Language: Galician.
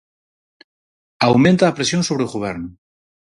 Aumenta a presión sobre o Goberno.